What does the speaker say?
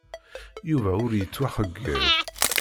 Yuba ur yettwaxeyyeb.